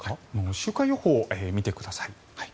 週間予報を見てください。